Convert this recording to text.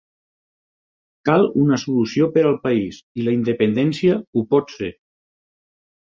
Cal una solució per al país, i la independència ho pot ser.